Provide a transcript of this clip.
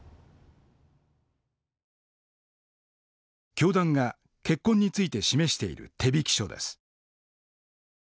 教団が結婚について示している手引き書です。